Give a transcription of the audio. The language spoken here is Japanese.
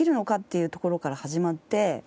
いうところから始まって。